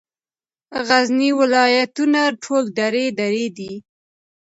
غرني ولایتونه ټول درې درې دي.